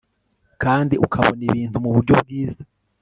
kandi ukabona ibintu mu buryo bwiza